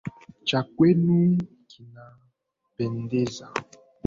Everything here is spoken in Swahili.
Cha kwenu kinapendeza.